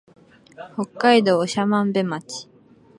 北海道長万部町